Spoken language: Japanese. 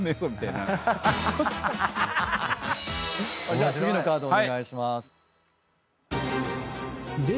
じゃあ次のカードお願いします。